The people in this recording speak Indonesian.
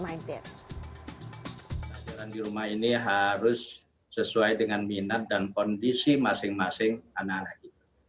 pelajaran di rumah ini harus sesuai dengan minat dan kondisi masing masing anak anak kita